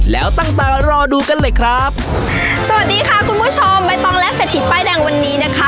แล้วตั้งตารอดูกันเลยครับสวัสดีค่ะคุณผู้ชมใบตองและเศรษฐีป้ายแดงวันนี้นะคะ